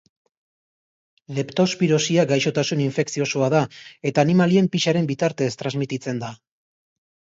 Leptospirosia gaixotasun infekziosoa da, eta animalien pixaren bitartez transmititzen da.